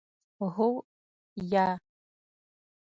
هو 👍 یا 👎